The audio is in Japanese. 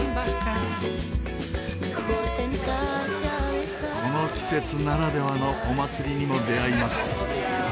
この季節ならではのお祭りにも出会います。